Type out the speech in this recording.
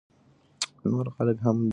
نور خلک هم دې ته وهڅوئ.